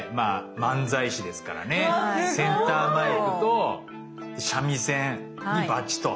漫才師ですからねセンターマイクと三味線にばちと。